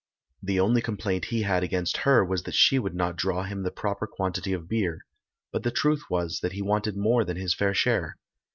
The only complaint he had against her was that she would not draw him the proper quantity of beer; but the truth was that he wanted more than his fair share.